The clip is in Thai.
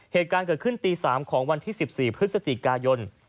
เหตุการณ์เกิดขึ้นตี๓ของวันที่๑๔พฤศจิกายน